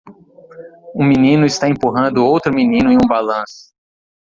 Um menino está empurrando outro menino em um balanço.